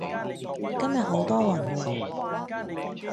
今日好多雲喎